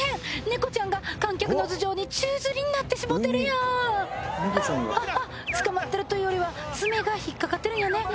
猫ちゃんが観客の頭上に宙づりになってしもうてるやんあっつかまってるというよりは爪が引っかかってるんやね